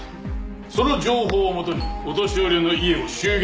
その情報をもとにお年寄りの家を襲撃。